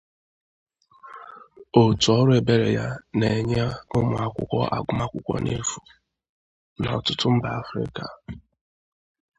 Otù ọrụ ebere ya na-enye ụmụ akwụkwọ agụmakwụkwọ n'efu n'ọtụtụ mba Afrịka.